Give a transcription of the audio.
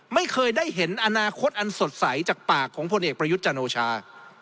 ไม่เคยได้เห็นอนาคตอันสดใสจากปากของพลเอกประยุทธ์จันโอชา